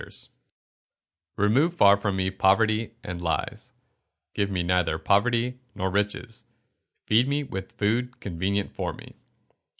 [Verse: "Remove far from me poverty and lies; give me neither poverty nor riches; feed me with food convenient for me."